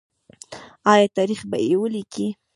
آیا تاریخ به یې ولیکي؟